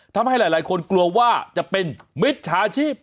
ทำให้หลายคนกลัวว่าจะเป็นมิจฉาชีพ